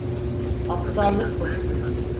Aptallık bu.